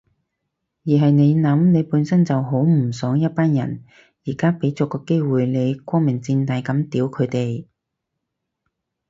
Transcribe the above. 而係你諗，你本身就好唔爽一班人，而家畀咗個機會你光明正大噉屌佢哋